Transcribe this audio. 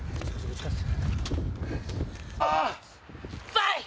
ファイッ！